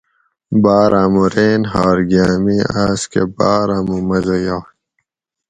بار آمو رین ھار گیامے آس کہ بار آمو مزہ یاگ